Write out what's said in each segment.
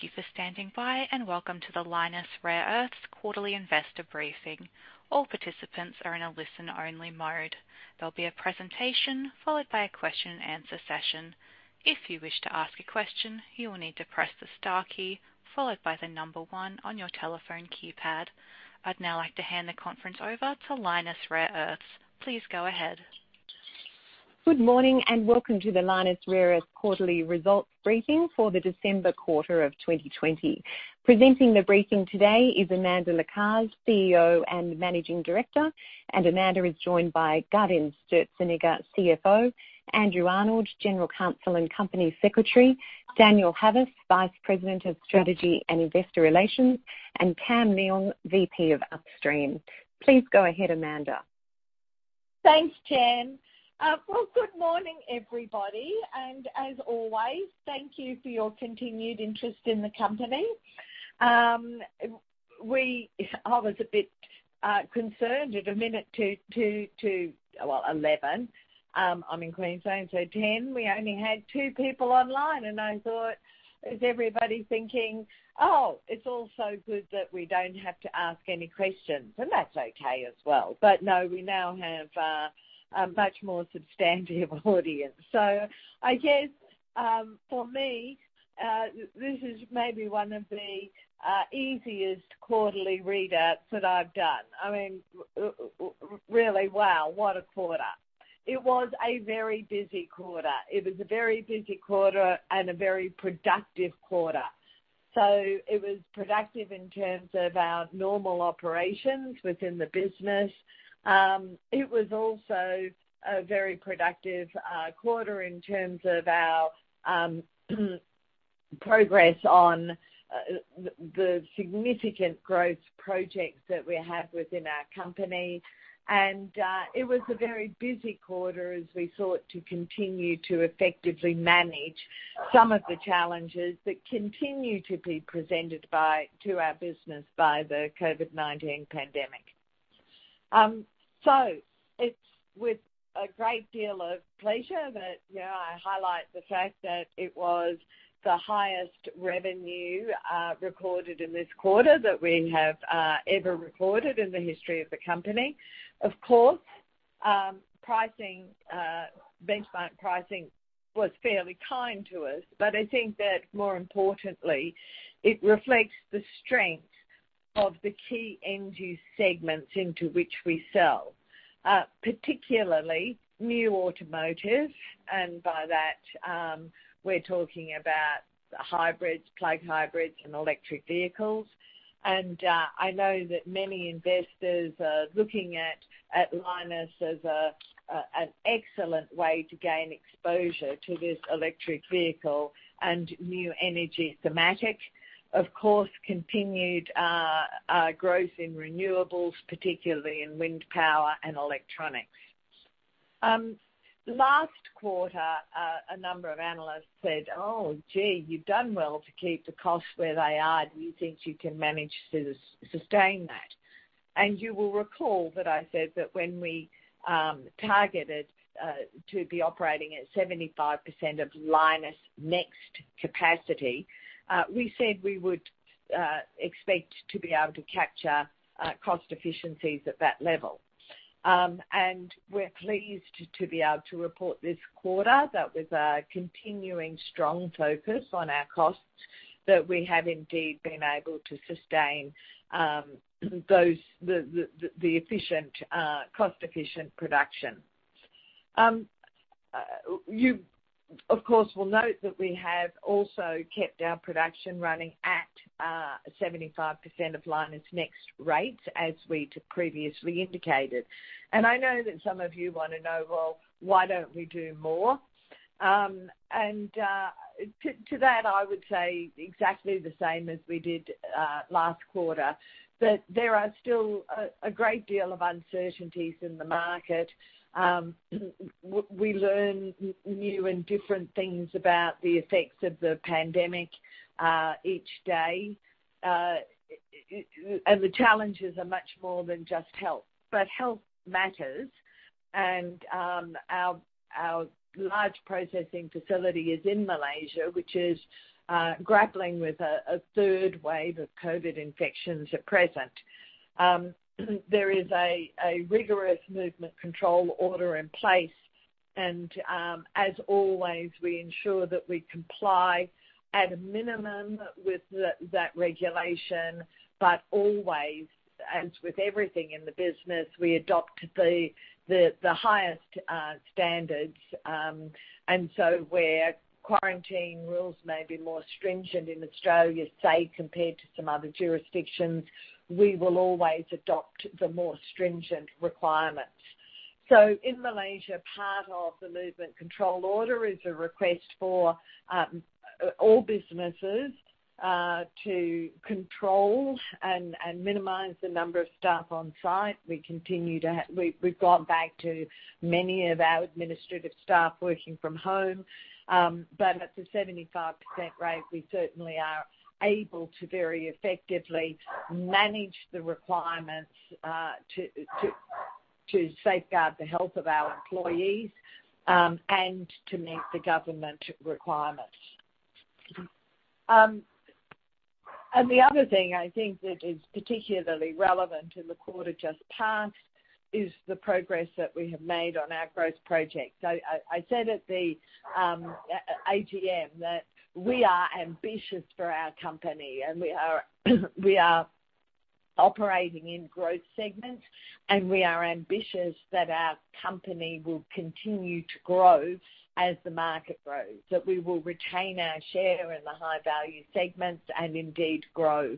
Thank you for standing by, and welcome to the Lynas Rare Earths Quarterly Investor Briefing. All participants are in a listen-only mode. There'll be a presentation followed by a question-and-answer session. If you wish to ask a question, you will need to press the star key followed by the number one on your telephone keypad. I'd now like to hand the conference over to Lynas Rare Earths. Please go ahead. Good morning, and welcome to the Lynas Rare Earths Quarterly Results Briefing for the December quarter of 2020. Presenting the briefing today is Amanda Lacaze, CEO and Managing Director, and Amanda is joined by Gaudenz Sturzenegger, CFO, Andrew Arnold, General Counsel and Company Secretary, Daniel Havas, Vice President of Strategy and Investor Relations, and Kam Leung, VP of Upstream. Please go ahead, Amanda. Thanks, Jen. Well, good morning, everybody. As always, thank you for your continued interest in the company. I was a bit concerned at a minute to—well, 11. I'm in Queensland, so 10. We only had 2 people online, and I thought, is everybody thinking, "Oh, it's all so good that we don't have to ask any questions." That's okay as well. No, we now have a much more substantive audience. I guess, for me, this is maybe one of the easiest quarterly readouts that I've done. I mean, really, wow, what a quarter. It was a very busy quarter. It was a very busy quarter and a very productive quarter. It was productive in terms of our normal operations within the business. It was also a very productive quarter in terms of our progress on the significant growth projects that we have within our company. And it was a very busy quarter as we sought to continue to effectively manage some of the challenges that continue to be presented to our business by the COVID-19 pandemic. So it's with a great deal of pleasure that I highlight the fact that it was the highest revenue recorded in this quarter that we have ever recorded in the history of the company. Of course, benchmark pricing was fairly kind to us, but I think that, more importantly, it reflects the strength of the key end-use segments into which we sell, particularly new automotive. And by that, we're talking about hybrids, plug-in hybrids, and electric vehicles. And I know that many investors are looking at Lynas as an excellent way to gain exposure to this electric vehicle and new energy thematic, of course, continued growth in renewables, particularly in wind power and electronics. Last quarter, a number of analysts said, "Oh, gee, you've done well to keep the costs where they are. Do you think you can manage to sustain that?" You will recall that I said that when we targeted to be operating at 75% of Lynas Next capacity, we said we would expect to be able to capture cost efficiencies at that level. We're pleased to be able to report this quarter that with a continuing strong focus on our costs, that we have indeed been able to sustain the cost-efficient production. You, of course, will note that we have also kept our production running at 75% of Lynas Next rate as we previously indicated. And I know that some of you want to know, "Well, why don't we do more?" And to that, I would say exactly the same as we did last quarter, that there are still a great deal of uncertainties in the market. We learn new and different things about the effects of the pandemic each day. And the challenges are much more than just health. But health matters. And our large processing facility is in Malaysia, which is grappling with a third wave of COVID infections at present. There is a rigorous movement control order in place. And as always, we ensure that we comply at a minimum with that regulation. But always, as with everything in the business, we adopt the highest standards. And so where quarantine rules may be more stringent in Australia, say, compared to some other jurisdictions, we will always adopt the more stringent requirements. In Malaysia, part of the Movement Control Order is a request for all businesses to control and minimize the number of staff on site. We've gone back to many of our administrative staff working from home. But at the 75% rate, we certainly are able to very effectively manage the requirements to safeguard the health of our employees and to meet the government requirements. The other thing I think that is particularly relevant to the quarter just passed is the progress that we have made on our growth project. I said at the AGM that we are ambitious for our company, and we are operating in growth segments, and we are ambitious that our company will continue to grow as the market grows, that we will retain our share in the high-value segments and indeed grow,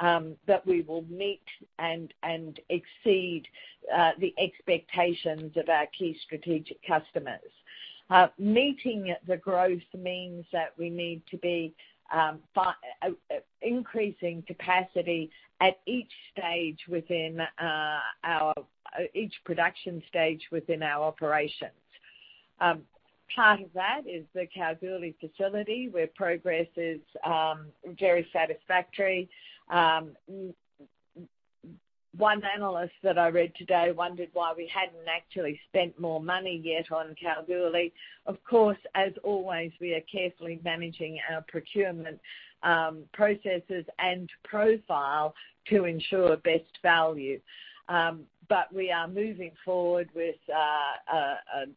that we will meet and exceed the expectations of our key strategic customers. Meeting the growth means that we need to be increasing capacity at each stage within our each production stage within our operations. Part of that is the Kalgoorlie facility where progress is very satisfactory. One analyst that I read today wondered why we hadn't actually spent more money yet on Kalgoorlie. Of course, as always, we are carefully managing our procurement processes and profile to ensure best value. But we are moving forward with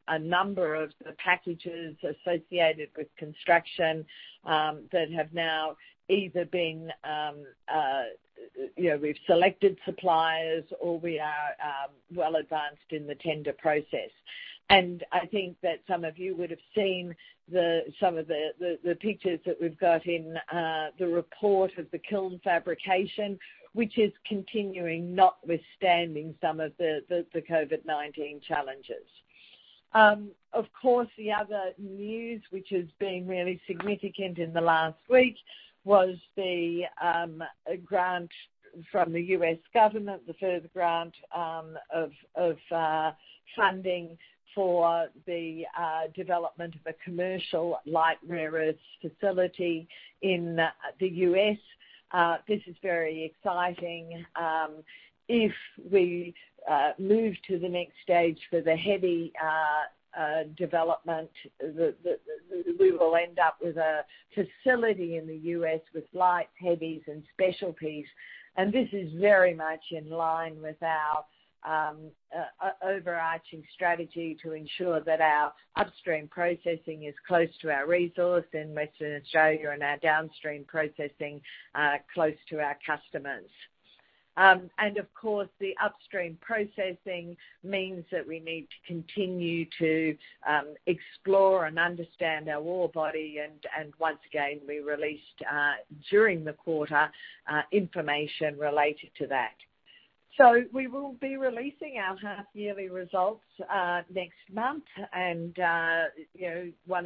a number of the packages associated with construction that have now either been, we've selected suppliers or we are well advanced in the tender process. And I think that some of you would have seen some of the pictures that we've got in the report of the kiln fabrication, which is continuing notwithstanding some of the COVID-19 challenges. Of course, the other news which has been really significant in the last week was the grant from the U.S. government, the further grant of funding for the development of a commercial light rare earths facility in the U.S. This is very exciting. If we move to the next stage for the heavy development, we will end up with a facility in the U.S. with Lights, Heavies and specialties. This is very much in line with our overarching strategy to ensure that our upstream processing is close to our resource in Western Australia and our downstream processing close to our customers. Of course, the upstream processing means that we need to continue to explore and understand our ore body. Once again, we released during the quarter information related to that. We will be releasing our half-yearly results next month. One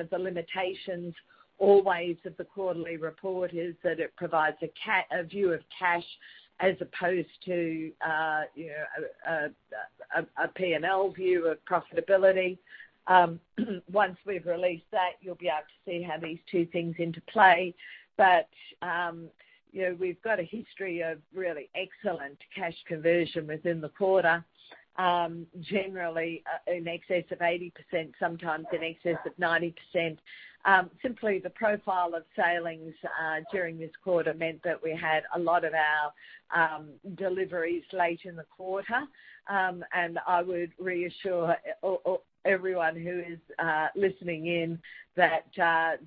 of the limitations always of the quarterly report is that it provides a view of cash as opposed to a P&L view of profitability. Once we've released that, you'll be able to see how these two things interplay. We've got a history of really excellent cash conversion within the quarter, generally in excess of 80%, sometimes in excess of 90%. Simply, the profile of sailings during this quarter meant that we had a lot of our deliveries late in the quarter. I would reassure everyone who is listening in that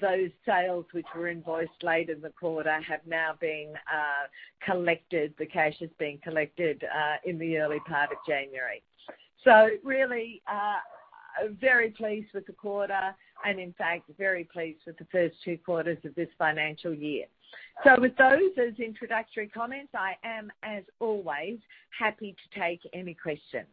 those sales which were invoiced late in the quarter have now been collected. The cash has been collected in the early part of January. So really, very pleased with the quarter and, in fact, very pleased with the first two quarters of this financial year. So with those as introductory comments, I am, as always, happy to take any questions.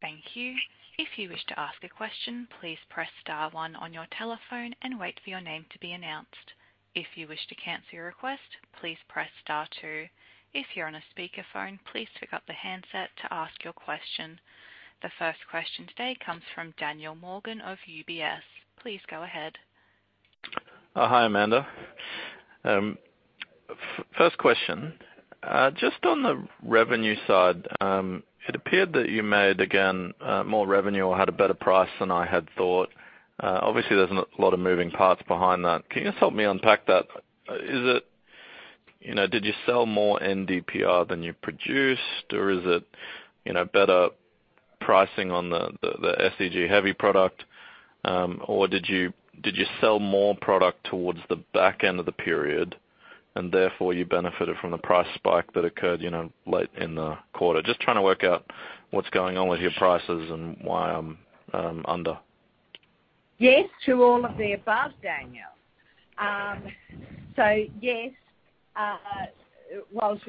Thank you. If you wish to ask a question, please press star one on your telephone and wait for your name to be announced. If you wish to cancel your request, please press star two. If you're on a speakerphone, please pick up the handset to ask your question. The first question today comes from Daniel Morgan of UBS. Please go ahead. Hi, Amanda. First question. Just on the revenue side, it appeared that you made, again, more revenue or had a better price than I had thought. Obviously, there's a lot of moving parts behind that. Can you help me unpack that? Did you sell more NdPr than you produced, or is it better pricing on the SEG heavy product, or did you sell more product towards the back end of the period and therefore you benefited from the price spike that occurred late in the quarter? Just trying to work out what's going on with your prices and why I'm under. Yes, to all of the above, Daniel. So yes, while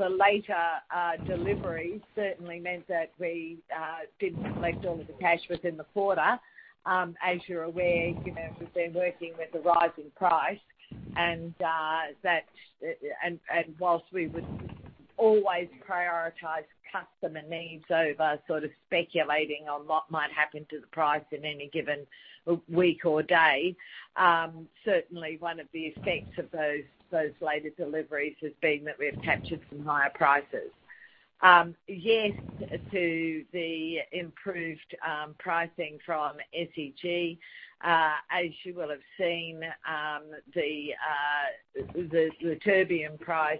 the later delivery certainly meant that we didn't collect all of the cash within the quarter. As you're aware, we've been working with a rising price. And while we would always prioritize customer needs over sort of speculating on what might happen to the price in any given week or day, certainly one of the effects of those later deliveries has been that we have captured some higher prices. Yes, to the improved pricing from SEG, as you will have seen, the Terbium price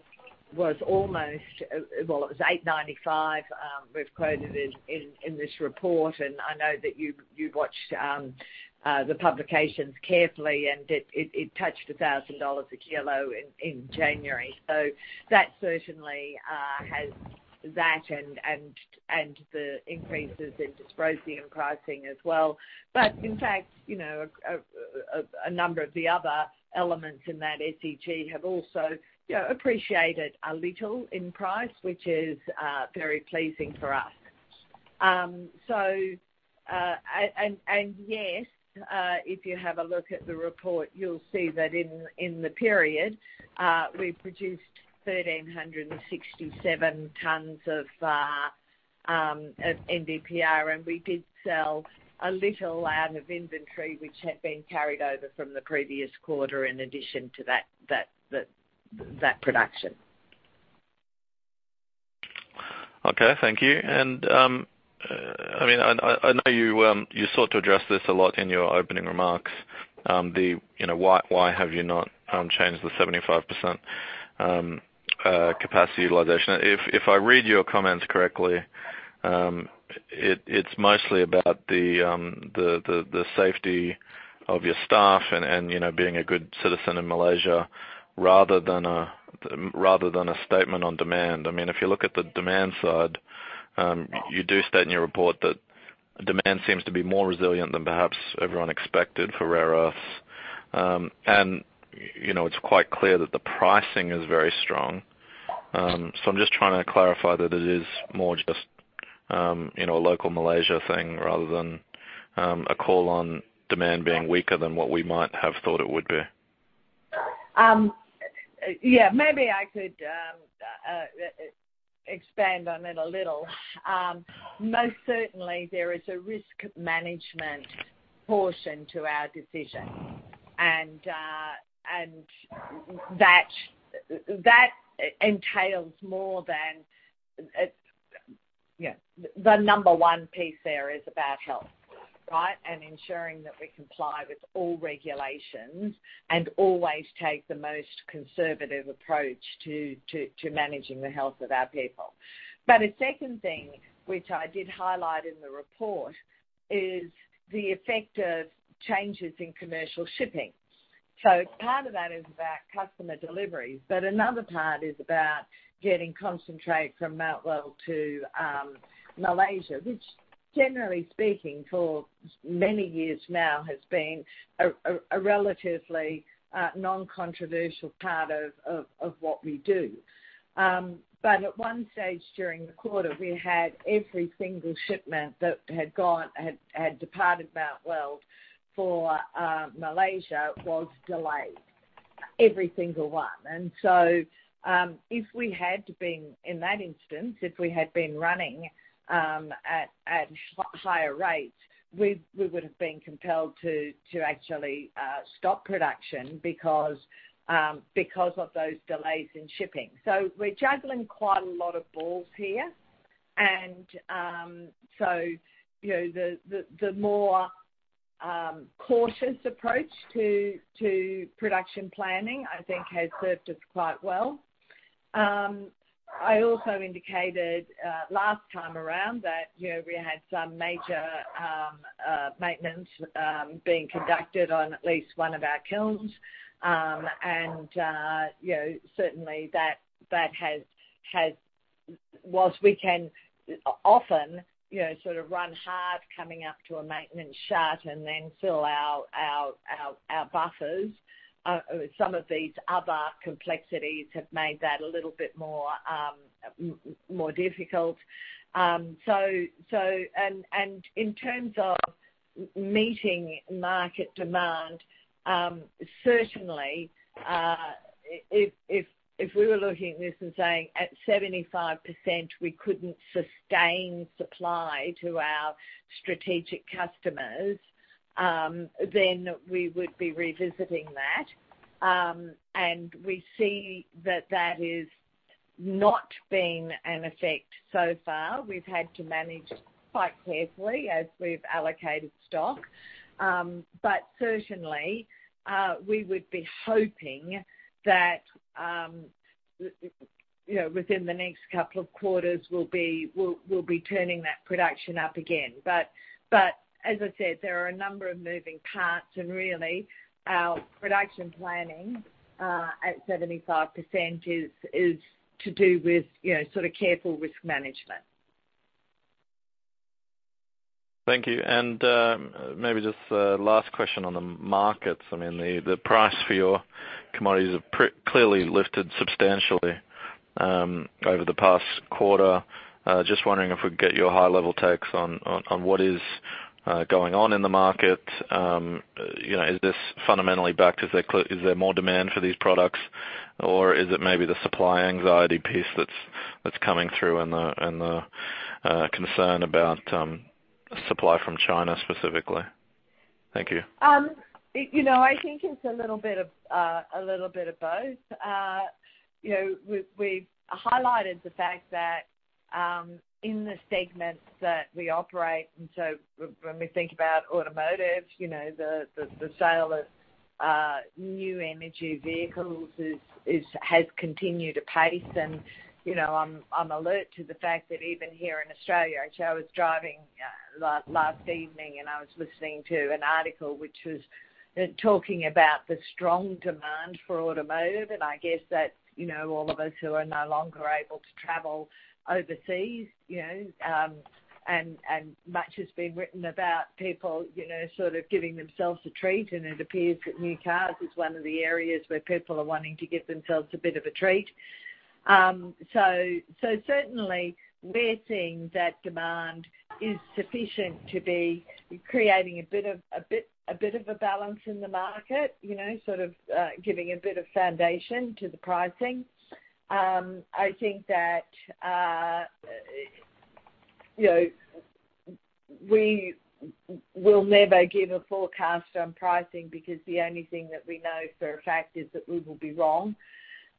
was almost well, it was $8.95, we've quoted in this report. And I know that you watched the publications carefully, and it touched $1,000 a kilo in January. So that certainly has that and the increases in dysprosium pricing as well. But in fact, a number of the other elements in that SEG have also appreciated a little in price, which is very pleasing for us. And yes, if you have a look at the report, you'll see that in the period, we produced 1,367 tons of NdPr, and we did sell a little out of inventory which had been carried over from the previous quarter in addition to that production. Okay. Thank you. And I mean, I know you sought to address this a lot in your opening remarks. Why have you not changed the 75% capacity utilization? If I read your comments correctly, it's mostly about the safety of your staff and being a good citizen in Malaysia rather than a statement on demand. I mean, if you look at the demand side, you do state in your report that demand seems to be more resilient than perhaps everyone expected for rare earths. And it's quite clear that the pricing is very strong. So I'm just trying to clarify that it is more just a local Malaysia thing rather than a call on demand being weaker than what we might have thought it would be. Yeah. Maybe I could expand on it a little. Most certainly, there is a risk management portion to our decision. And that entails more than the number one piece there is about health, right, and ensuring that we comply with all regulations and always take the most conservative approach to managing the health of our people. But a second thing, which I did highlight in the report, is the effect of changes in commercial shipping. So part of that is about customer deliveries. But another part is about getting concentrate from Mt Weld to Malaysia, which, generally speaking, for many years now has been a relatively non-controversial part of what we do. But at one stage during the quarter, we had every single shipment that had departed Mt Weld for Malaysia was delayed, every single one. And so if we had been in that instance, if we had been running at higher rates, we would have been compelled to actually stop production because of those delays in shipping. So we're juggling quite a lot of balls here. And so the more cautious approach to production planning, I think, has served us quite well. I also indicated last time around that we had some major maintenance being conducted on at least one of our kilns. And certainly, that has whilst we can often sort of run hard coming up to a maintenance shut and then fill our buffers, some of these other complexities have made that a little bit more difficult. And in terms of meeting market demand, certainly, if we were looking at this and saying at 75%, we couldn't sustain supply to our strategic customers, then we would be revisiting that. We see that that is not been an effect so far. We've had to manage quite carefully as we've allocated stock. But certainly, we would be hoping that within the next couple of quarters, we'll be turning that production up again. But as I said, there are a number of moving parts. And really, our production planning at 75% is to do with sort of careful risk management. Thank you. Maybe just the last question on the markets. I mean, the price for your commodities have clearly lifted substantially over the past quarter. Just wondering if we could get your high-level takes on what is going on in the market. Is this fundamentally backed? Is there more demand for these products, or is it maybe the supply anxiety piece that's coming through and the concern about supply from China specifically? Thank you. I think it's a little bit of both. We've highlighted the fact that in the segments that we operate, and so when we think about automotive, the sale of new energy vehicles has continued to pace. I'm alert to the fact that even here in Australia, actually, I was driving last evening, and I was listening to an article which was talking about the strong demand for automotive. I guess that all of us who are no longer able to travel overseas, and much has been written about people sort of giving themselves a treat. It appears that new cars is one of the areas where people are wanting to give themselves a bit of a treat. Certainly, we're seeing that demand is sufficient to be creating a bit of a balance in the market, sort of giving a bit of foundation to the pricing. I think that we will never give a forecast on pricing because the only thing that we know for a fact is that we will be wrong.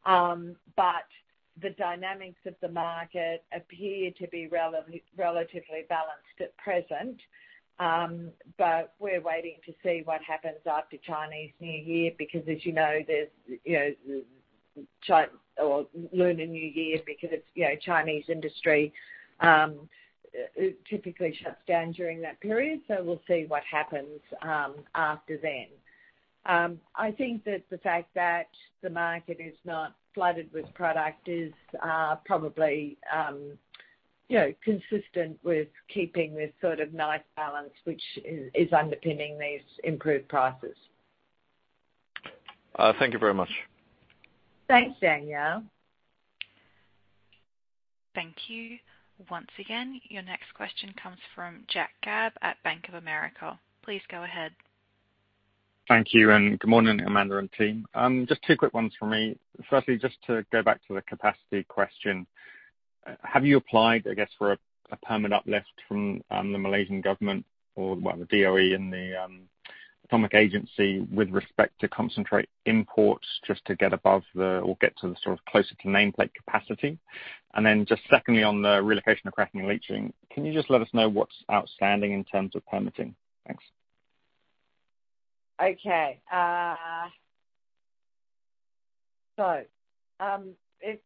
But the dynamics of the market appear to be relatively balanced at present. But we're waiting to see what happens after Chinese New Year because, as you know, there's Lunar New Year because Chinese industry typically shuts down during that period. So we'll see what happens after then. I think that the fact that the market is not flooded with product is probably consistent with keeping this sort of nice balance which is underpinning these improved prices. Thank you very much. Thanks, Daniel. Thank you. Once again, your next question comes from Jack Gabb at Bank of America. Please go ahead. Thank you. And good morning, Amanda and team. Just two quick ones from me. Firstly, just to go back to the capacity question, have you applied, I guess, for a permit uplift from the Malaysian government or the DOE and the atomic agency with respect to concentrate imports just to get above the or get to the sort of closer to nameplate capacity? And then just secondly, on the relocation of cracking and leaching, can you just let us know what's outstanding in terms of permitting? Thanks. Okay. So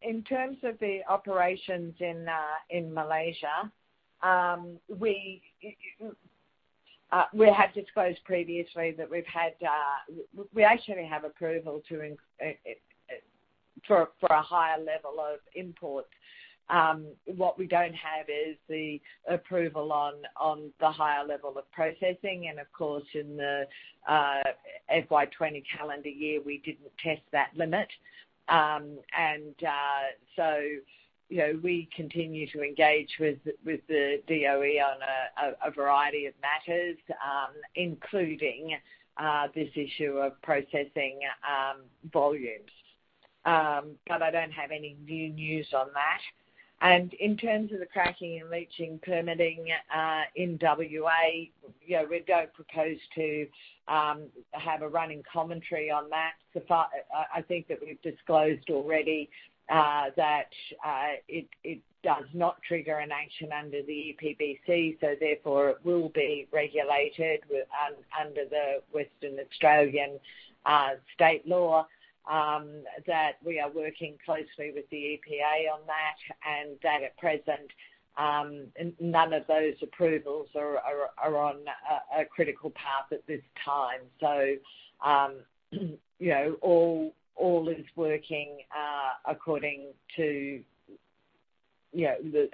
in terms of the operations in Malaysia, we had disclosed previously that we actually have approval for a higher level of imports. What we don't have is the approval on the higher level of processing. And of course, in the FY 2020 calendar year, we didn't test that limit. And so we continue to engage with the DOE on a variety of matters, including this issue of processing volumes. But I don't have any new news on that. And in terms of the cracking and leaching permitting in WA, we don't propose to have a running commentary on that. I think that we've disclosed already that it does not trigger an action under the EPBC, so therefore it will be regulated under the Western Australian state law, that we are working closely with the EPA on that, and that at present, none of those approvals are on a critical path at this time. So all is working according to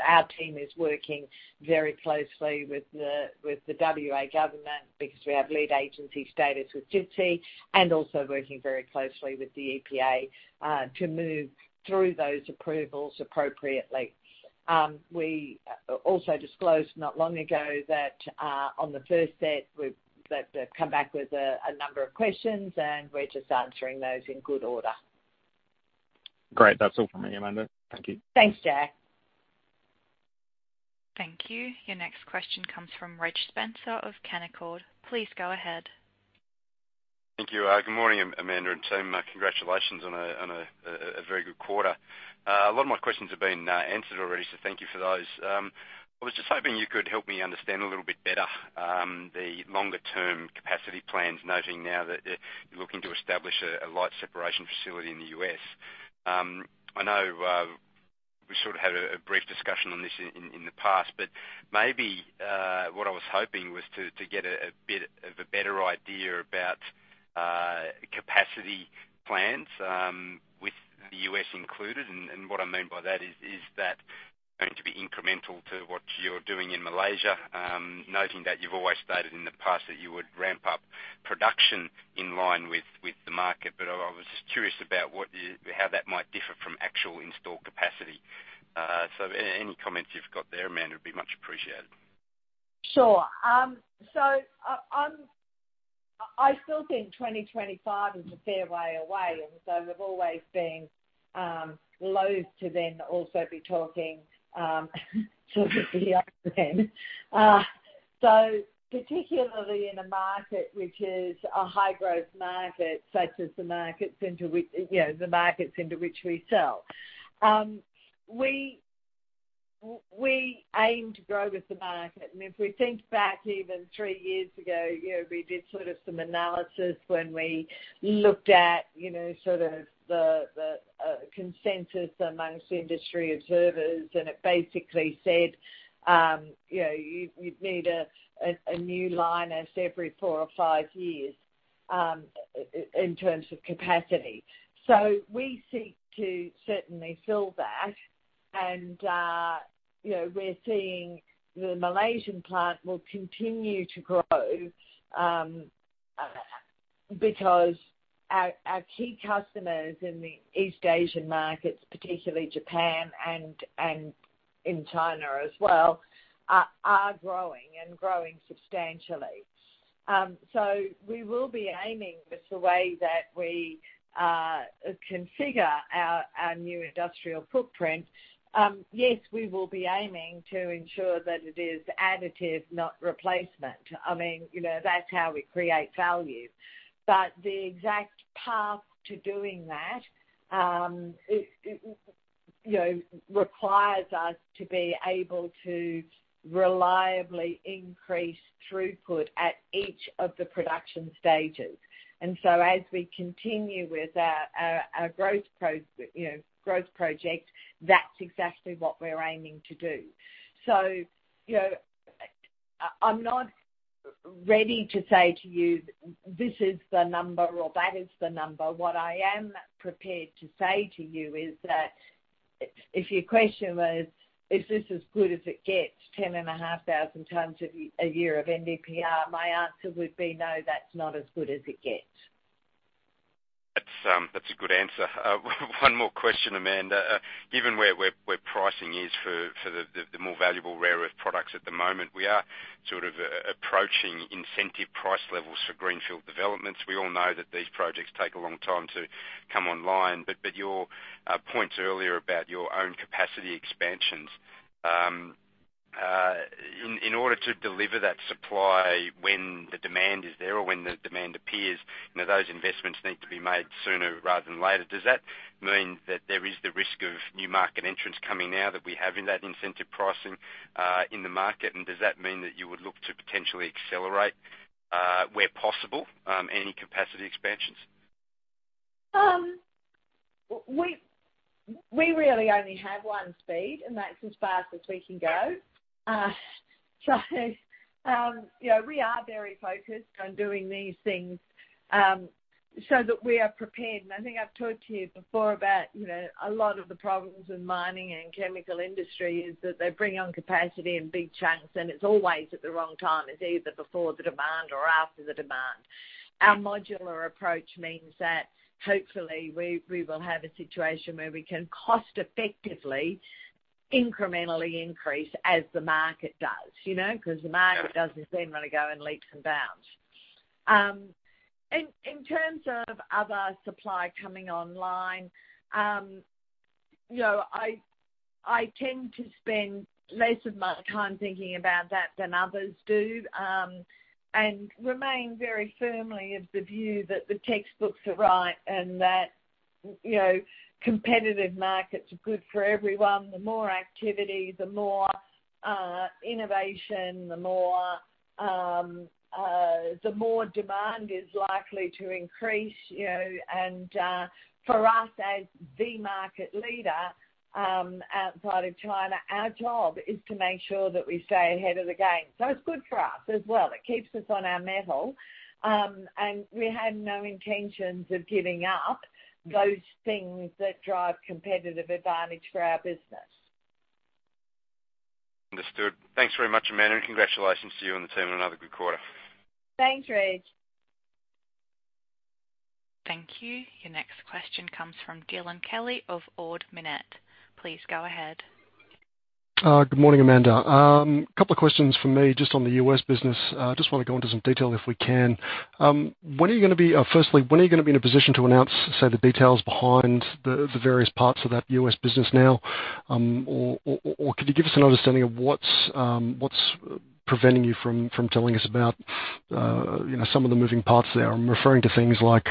our team is working very closely with the WA government because we have lead agency status with JTSI and also working very closely with the EPA to move through those approvals appropriately. We also disclosed not long ago that on the first set, they've come back with a number of questions, and we're just answering those in good order. Great. That's all from me, Amanda. Thank you. Thanks, Jack. Thank you. Your next question comes from Reg Spencer of Canaccord. Please go ahead. Thank you. Good morning, Amanda and team. Congratulations on a very good quarter. A lot of my questions have been answered already, so thank you for those. I was just hoping you could help me understand a little bit better the longer-term capacity plans, noting now that you're looking to establish a light separation facility in the US. I know we sort of had a brief discussion on this in the past, but maybe what I was hoping was to get a bit of a better idea about capacity plans with the US included. And what I mean by that is that going to be incremental to what you're doing in Malaysia, noting that you've always stated in the past that you would ramp up production in line with the market. But I was just curious about how that might differ from actual installed capacity. Any comments you've got there, Amanda, would be much appreciated. Sure. So I still think 2025 is a fair way away, and so we've always been loath to then also be talking to the other end. So particularly in a market which is a high-growth market such as the markets into which the markets into which we sell, we aim to grow with the market. And if we think back even three years ago, we did sort of some analysis when we looked at sort of the consensus amongst industry observers, and it basically said you'd need a new Lynas every four or five years in terms of capacity. So we seek to certainly fill that. And we're seeing the Malaysian plant will continue to grow because our key customers in the East Asian markets, particularly Japan and in China as well, are growing and growing substantially. So we will be aiming with the way that we configure our new industrial footprint. Yes, we will be aiming to ensure that it is additive, not replacement. I mean, that's how we create value. But the exact path to doing that requires us to be able to reliably increase throughput at each of the production stages. And so as we continue with our growth project, that's exactly what we're aiming to do. So I'm not ready to say to you, "This is the number," or, "That is the number." What I am prepared to say to you is that if your question was, "Is this as good as it gets? 10,500 tonnes a year of NdPr," my answer would be, "No, that's not as good as it gets. That's a good answer. One more question, Amanda. Given where we're pricing is for the more valuable rare earth products at the moment, we are sort of approaching incentive price levels for greenfield developments. We all know that these projects take a long time to come online. But your point earlier about your own capacity expansions, in order to deliver that supply when the demand is there or when the demand appears, those investments need to be made sooner rather than later. Does that mean that there is the risk of new market entrants coming now that we have in that incentive pricing in the market? And does that mean that you would look to potentially accelerate, where possible, any capacity expansions? We really only have one speed, and that's as fast as we can go. So we are very focused on doing these things so that we are prepared. And I think I've talked to you before about a lot of the problems in mining and chemical industry is that they bring on capacity in big chunks, and it's always at the wrong time. It's either before the demand or after the demand. Our modular approach means that hopefully we will have a situation where we can cost-effectively incrementally increase as the market does because the market doesn't generally go in leaps and bounds. In terms of other supply coming online, I tend to spend less of my time thinking about that than others do and remain very firmly of the view that the textbooks are right and that competitive markets are good for everyone. The more activity, the more innovation, the more demand is likely to increase. For us as the market leader outside of China, our job is to make sure that we stay ahead of the game. It's good for us as well. It keeps us on our mettle. We have no intentions of giving up those things that drive competitive advantage for our business. Understood. Thanks very much, Amanda. Congratulations to you and the team on another good quarter. Thanks, Reg. Thank you. Your next question comes from Dylan Kelly of Ord Minnett. Please go ahead. Good morning, Amanda. A couple of questions for me just on the US business. I just want to go into some detail if we can. When are you going to be firstly, when are you going to be in a position to announce, say, the details behind the various parts of that US business now? Or could you give us an understanding of what's preventing you from telling us about some of the moving parts there? I'm referring to things like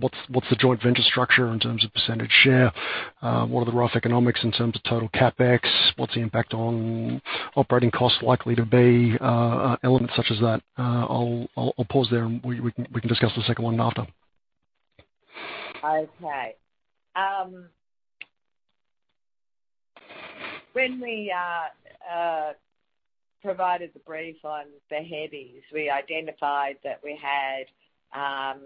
what's the joint venture structure in terms of percentage share? What are the rough economics in terms of total CapEx? What's the impact on operating costs likely to be? Elements such as that. I'll pause there, and we can discuss the second one after. Okay. When we provided the brief on the HREs, we identified that we had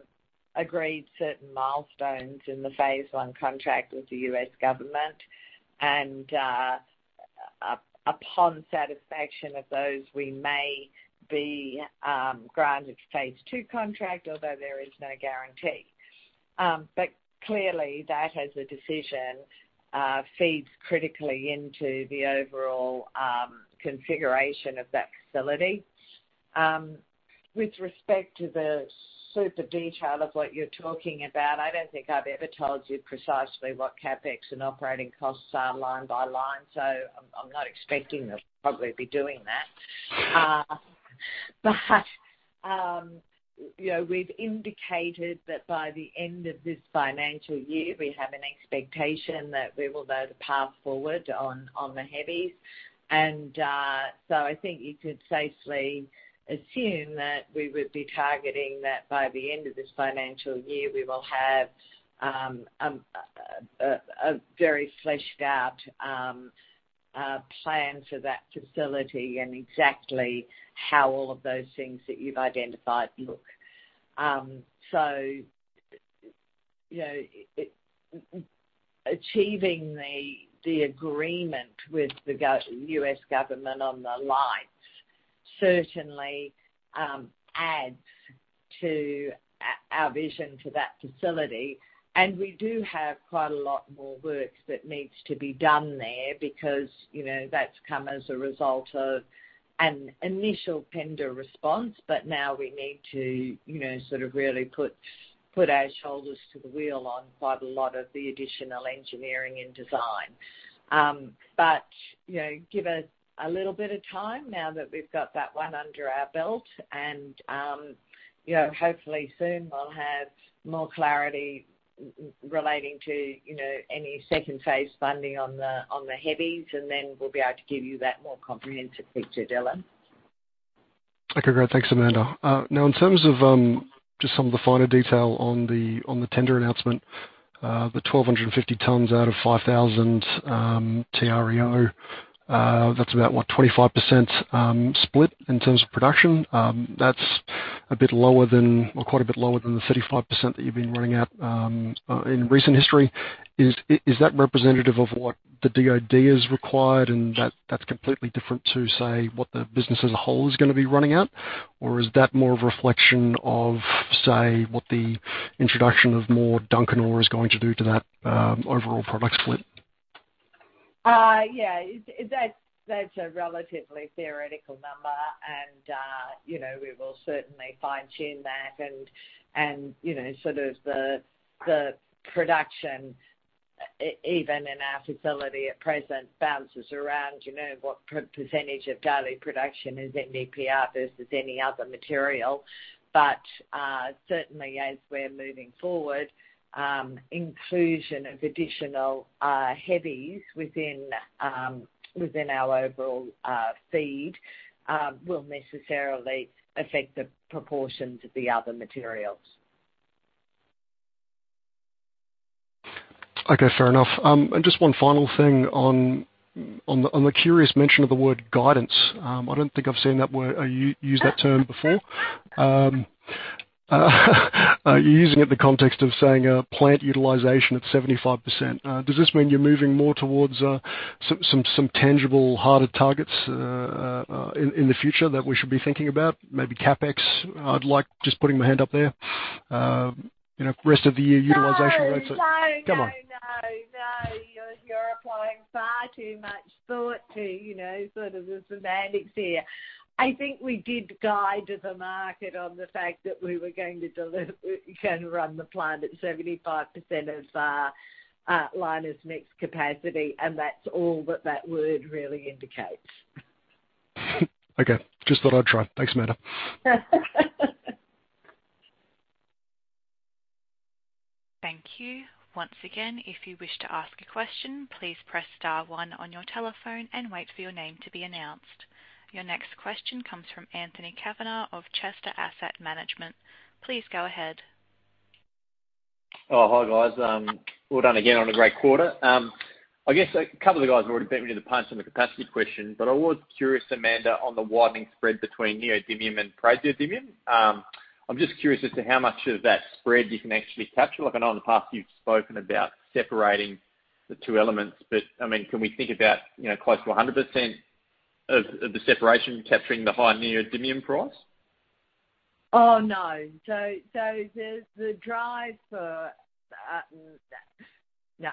agreed certain milestones in the phase one contract with the U.S. government. Upon satisfaction of those, we may be granted a phase two contract, although there is no guarantee. Clearly, that as a decision feeds critically into the overall configuration of that facility. With respect to the super detail of what you're talking about, I don't think I've ever told you precisely what CapEx and operating costs are line by line, so I'm not expecting to probably be doing that. We've indicated that by the end of this financial year, we have an expectation that we will know the path forward on the HREs. And so I think you could safely assume that we would be targeting that by the end of this financial year. We will have a very fleshed-out plan for that facility and exactly how all of those things that you've identified look. So achieving the agreement with the U.S. government on the lights certainly adds to our vision for that facility. And we do have quite a lot more work that needs to be done there because that's come as a result of an initial tender response, but now we need to sort of really put our shoulders to the wheel on quite a lot of the additional engineering and design. But give us a little bit of time now that we've got that one under our belt, and hopefully soon we'll have more clarity relating to any second phase funding on the HREs, and then we'll be able to give you that more comprehensive picture, Dylan. Okay. Great. Thanks, Amanda. Now, in terms of just some of the finer detail on the tender announcement, the 1,250 tons out of 5,000 TREO, that's about, what, 25% split in terms of production? That's a bit lower than or quite a bit lower than the 35% that you've been running at in recent history. Is that representative of what the DOD has required, and that's completely different to, say, what the business as a whole is going to be running at? Or is that more a reflection of, say, what the introduction of more Duncan ore is going to do to that overall product split? Yeah. That's a relatively theoretical number, and we will certainly fine-tune that. And sort of the production, even in our facility at present, bounces around what percentage of daily production is NdPr versus any other material. But certainly, as we're moving forward, inclusion of additional HREs within our overall feed will necessarily affect the proportions of the other materials. Okay. Fair enough. Just one final thing on the curious mention of the word guidance. I don't think I've seen that word. You used that term before. You're using it in the context of saying plant utilization at 75%. Does this mean you're moving more towards some tangible harder targets in the future that we should be thinking about? Maybe CapEx? I'd like just putting my hand up there. Rest of the year utilization rates. No, no, no, no. You're applying far too much thought to sort of the semantics here. I think we did guide the market on the fact that we were going to deliver and run the plant at 75% of Lynas Next capacity, and that's all that that word really indicates. Okay. Just thought I'd try. Thanks, Amanda. Thank you. Once again, if you wish to ask a question, please press star one on your telephone and wait for your name to be announced. Your next question comes from Anthony Kavanagh of Chester Asset Management. Please go ahead. Oh, hi, guys. Well done again on a great quarter. I guess a couple of the guys have already beaten me to the punch on the capacity question, but I was curious, Amanda, on the widening spread between neodymium and praseodymium. I'm just curious as to how much of that spread you can actually capture. I know in the past you've spoken about separating the two elements, but I mean, can we think about close to 100% of the separation capturing the high neodymium price? Oh, no. So the drive for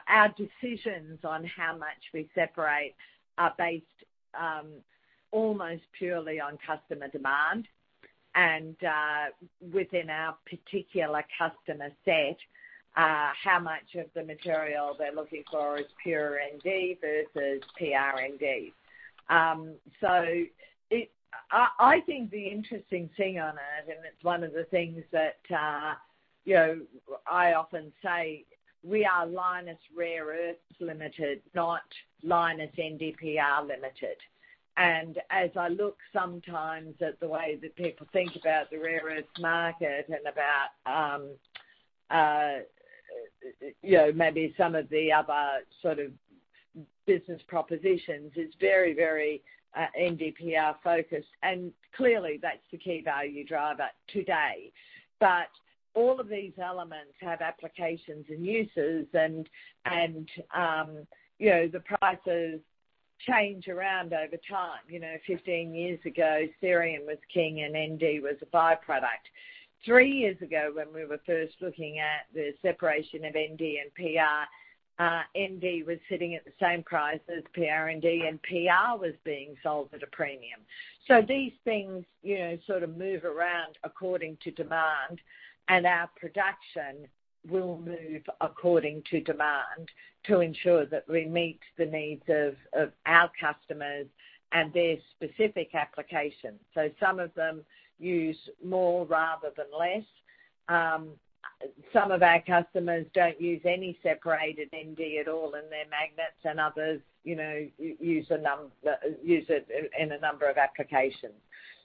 our decisions on how much we separate are based almost purely on customer demand. And within our particular customer set, how much of the material they're looking for is pure Nd versus PrNd. So I think the interesting thing on it, and it's one of the things that I often say, we are Lynas Rare Earths Limited, not Lynas NdPr Limited. And as I look sometimes at the way that people think about the rare earth market and about maybe some of the other sort of business propositions, it's very, very NdPr focused. And clearly, that's the key value driver today. But all of these elements have applications and uses, and the prices change around over time. 15 years ago, cerium was king, and Nd was a byproduct. Three years ago, when we were first looking at the separation of Nd and Pr, Nd was sitting at the same price as PrNd, and Pr was being sold at a premium. So these things sort of move around according to demand, and our production will move according to demand to ensure that we meet the needs of our customers and their specific applications. So some of them use more rather than less. Some of our customers don't use any separated Nd at all in their magnets, and others use it in a number of applications.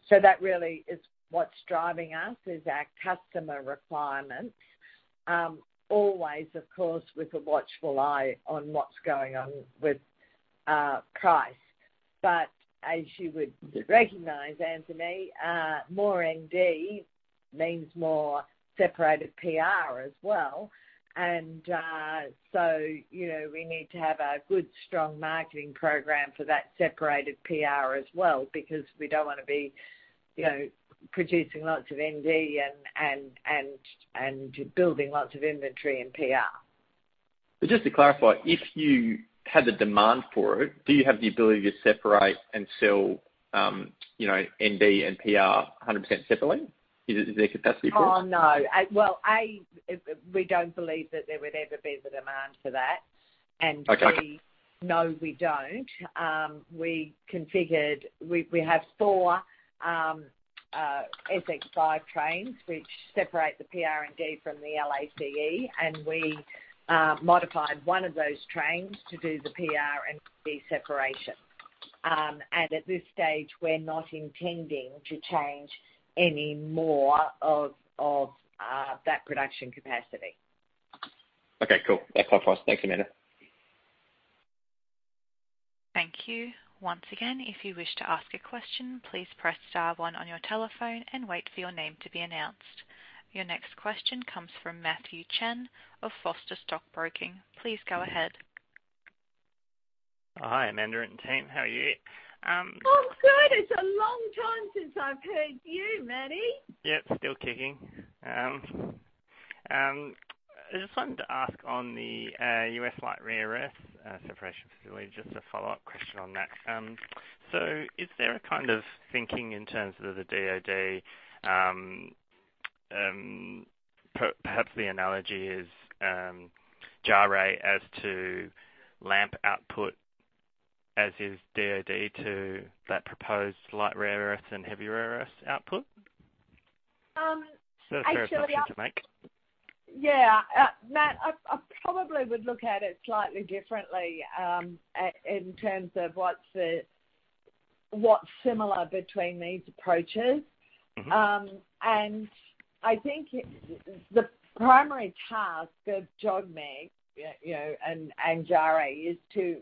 So that really is what's driving us is our customer requirements. Always, of course, with a watchful eye on what's going on with price. But as you would recognize, Anthony, more Nd means more separated Pr as well. And so we need to have a good, strong marketing program for that separated Pr as well because we don't want to be producing lots of Nd and building lots of inventory in Pr. Just to clarify, if you had the demand for it, do you have the ability to separate and sell Nd and Pr 100% separately? Is there capacity for it? Oh, no. Well, we don't believe that there would ever be the demand for that. We know we don't. We have four SX5 trains which separate the PrNd from the LaCe, and we modified one of those trains to do the PrNd separation. At this stage, we're not intending to change any more of that production capacity. Okay. Cool. That's my price. Thanks, Amanda. Thank you. Once again, if you wish to ask a question, please press star one on your telephone and wait for your name to be announced. Your next question comes from Matthew Chen of Foster Stockbroking. Please go ahead. Hi, Amanda and team. How are you? I'm good. It's a long time since I've heard you, Matty. Yep, still kicking. I just wanted to ask on the U.S. light rare earth separation facility, just a follow-up question on that. So is there a kind of thinking in terms of the DoD, perhaps the analogy is JARE as to LAMP output as is DoD to that proposed light rare earth and heavy rare earth output? I'm sure the answer is. A further decision to make? Yeah. Matt, I probably would look at it slightly differently in terms of what's similar between these approaches. And I think the primary task of JOGMEC and JARE is to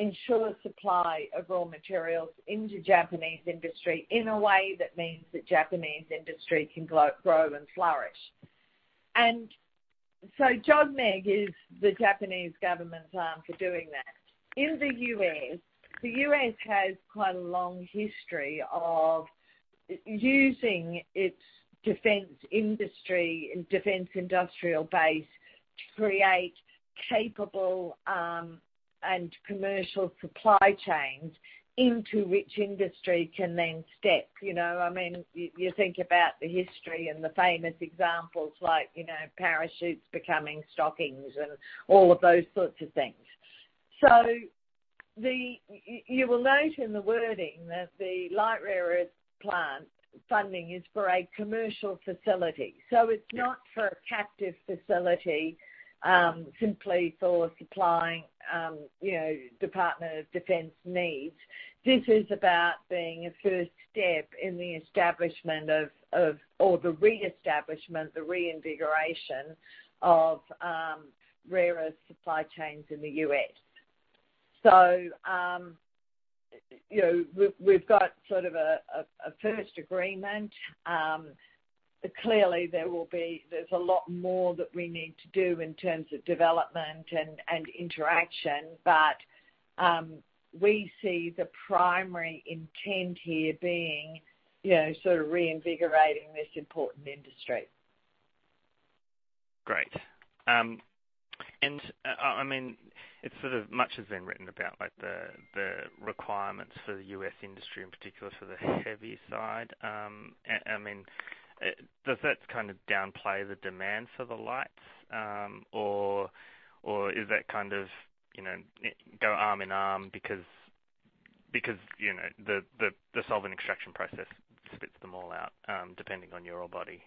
ensure supply of raw materials into Japanese industry in a way that means that Japanese industry can grow and flourish. And so JOGMEC is the Japanese government's arm for doing that. In the U.S., the U.S. has quite a long history of using its defense industry and defense industrial base to create capable and commercial supply chains into which industry can then step. I mean, you think about the history and the famous examples like parachutes becoming stockings and all of those sorts of things. So you will note in the wording that the light rare earth plant funding is for a commercial facility. So it's not for a captive facility simply for supplying Department of Defense needs. This is about being a first step in the establishment of, or the re-establishment, the reinvigoration of rare earth supply chains in the U.S. So we've got sort of a first agreement. Clearly, there's a lot more that we need to do in terms of development and interaction, but we see the primary intent here being sort of reinvigorating this important industry. Great. I mean, it's sort of, much has been written about the requirements for the U.S. industry, in particular for the heavy side. I mean, does that kind of downplay the demand for the lights, or is that kind of go arm in arm because the solvent extraction process spits them all out depending on your ore body?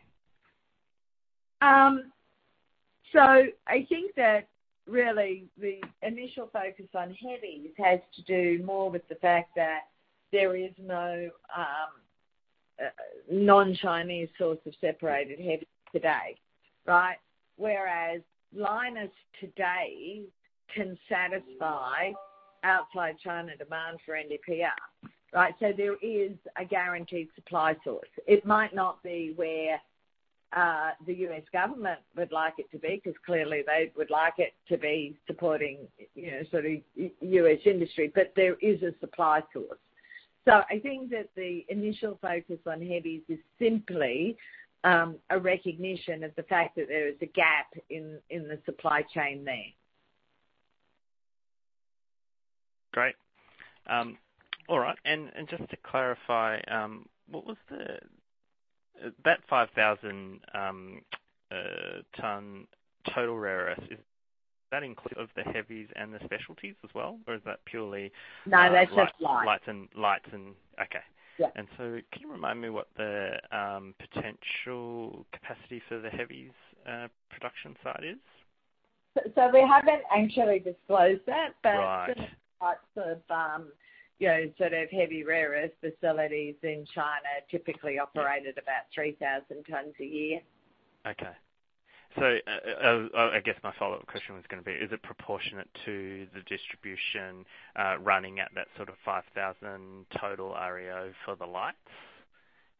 So I think that really the initial focus on heavies has to do more with the fact that there is no non-Chinese source of separated heavy today, right? Whereas Lynas today can satisfy outside China demand for NdPr, right? So there is a guaranteed supply source. It might not be where the U.S. government would like it to be because clearly they would like it to be supporting sort of U.S. industry, but there is a supply source. So I think that the initial focus on heavies is simply a recognition of the fact that there is a gap in the supply chain there. Great. All right. Just to clarify, what was that 5,000-ton total rare earth? Is that included? Of the heavies and the specialties as well, or is that purely? No, that's just lights. Can you remind me what the potential capacity for the heavies production site is? We haven't actually disclosed that, but lots of sort of heavy rare earth facilities in China typically operate at about 3,000 tons a year. Okay. So I guess my follow-up question was going to be, is it proportionate to the distribution running at that sort of 5,000 total REO for the lights?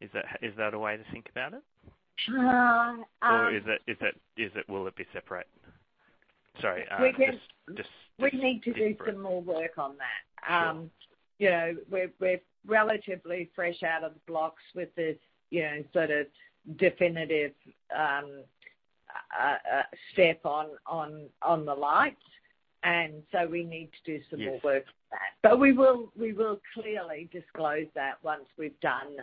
Is that a way to think about it? Or will it be separate? Sorry. We need to do some more work on that. We're relatively fresh out of the blocks with this sort of definitive step on the lights, and so we need to do some more work on that. But we will clearly disclose that once we've done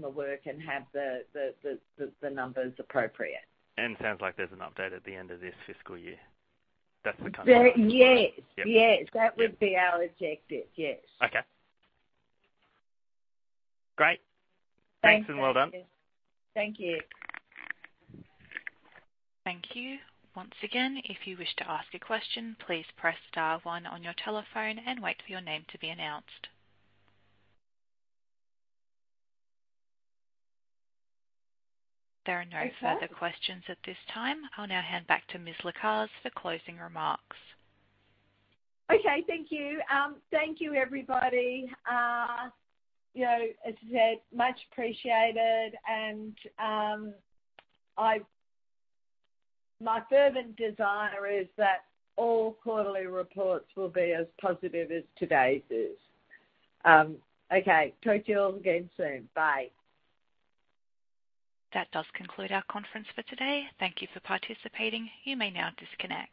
the work and have the numbers appropriate. It sounds like there's an update at the end of this fiscal year. That's the kind of thing. Yes. Yes. That would be our objective. Yes. Okay. Great. Thanks and well done. Thank you. Thank you. Once again, if you wish to ask a question, please press star one on your telephone and wait for your name to be announced. There are no further questions at this time. I'll now hand back to Ms. Lacaze for closing remarks. Okay. Thank you. Thank you, everybody. As I said, much appreciated. And my fervent desire is that all quarterly reports will be as positive as today's is. Okay. Talk to you all again soon. Bye. That does conclude our conference for today. Thank you for participating. You may now disconnect.